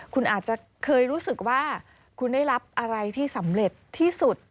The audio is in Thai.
คุณอาจจะเคยรู้สึกว่าคุณได้รับอะไรที่สำเร็จที่สุด